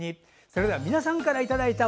それでは皆さんからいただいた「＃